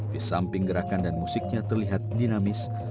di samping gerakan dan musiknya terlihat dinamis